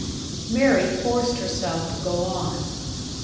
Mary forced herself to go on.